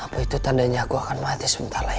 apa itu tandanya aku akan mati sebentar lagi